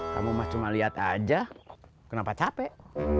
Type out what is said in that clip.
kamu mah cuma liat aja kenapa capek